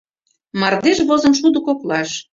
Мардеж возын шудо коклаш